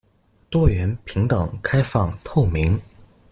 多元、平等、開放、透明